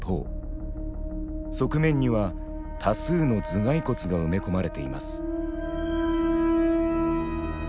側面には多数の頭蓋骨が埋め込まれています。